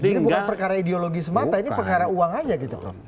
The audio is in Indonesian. ini bukan perkara ideologi semata ini perkara uang aja gitu